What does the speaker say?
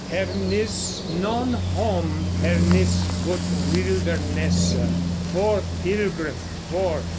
Her nis non hoom, her nis but wildernesse: Forth, pilgrim, forth!